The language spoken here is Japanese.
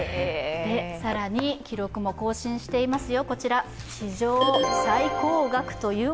更に記録も更新していますよ。